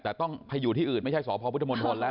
แต่ต้องไปอยู่ที่อื่นไม่ใช่สพพุทธมนตรแล้ว